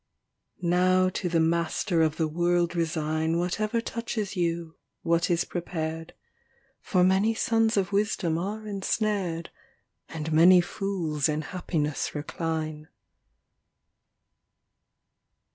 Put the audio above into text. XVI Now to the Master of the World resign Whatever touches you, what is prepared, For many sons of wisdom are ensnared And many fools in happiness recline.